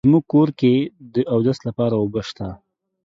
زمونږ کور کې د اودس لپاره اوبه شته